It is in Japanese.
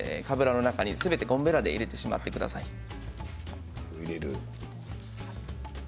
かぶらの中にすべてゴムべらで入れてしまってください。